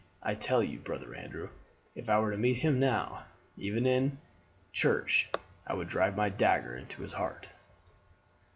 I tell you, brother Andrew, if I were to meet him now, even if it were in a church, I would drive my dagger into his heart.